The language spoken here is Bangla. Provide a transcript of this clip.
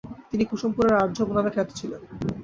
তিনি কুসুমপুরের আর্যভ নামে খ্যাত ছিলেন।